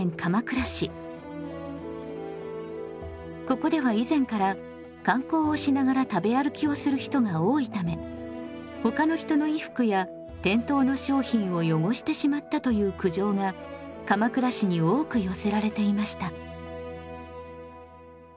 ここでは以前から観光をしながら食べ歩きをする人が多いためほかの人の衣服や店頭の商品を汚してしまったという苦情が鎌倉市に多く寄せられていました。